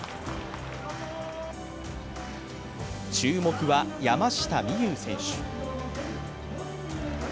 注目は山下美夢有選手。